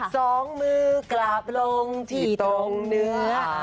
สองมือกลับลงที่ตรงเนื้อ